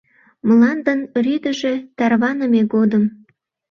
Мландын рӱдыжӧ тарваныме годым